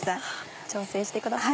調整してください。